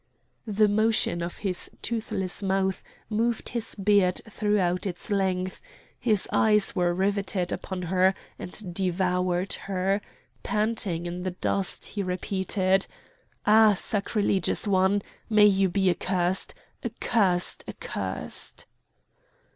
'" The motion of his toothless mouth moved his beard throughout its length; his eyes were riveted upon her and devoured her; panting in the dust he repeated: "Ah! sacrilegious one! May you be accursed! accursed! accursed!"